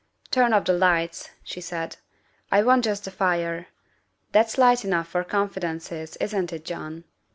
" Turn off the lights," she said, " I want just the fire. That's light enough for confidences, isn't it, John?"